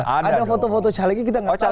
ada foto foto calegnya kita nggak tahu